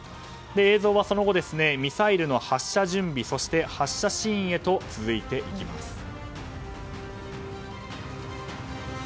映像はその後ミサイルの発射準備そして発射シーンへと続いていきます。